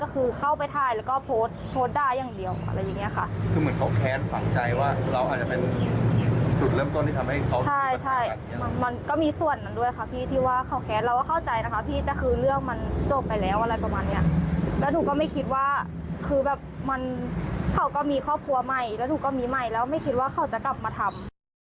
เขาก็มีครอบครัวใหม่แล้วหนูก็มีใหม่แล้วไม่คิดว่าเขาจะกลับมาทำ